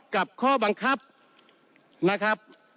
ข้อบังคับนะครับ